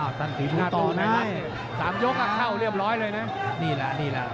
อ้าวตั้งแต่ดูต่อได้สามยกกับเข้าเรียบร้อยเลยนะนี่แหละนี่แหละ